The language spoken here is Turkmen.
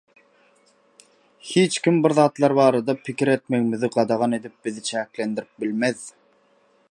Hiçkim birzatlar barada pikir etmegimizi gadagan edip bizi çäklendirip bilmez.